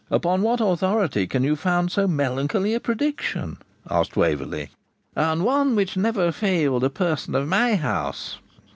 'Upon what authority can you found so melancholy a prediction?' asked Waverley. 'On one which never failed a person of my house.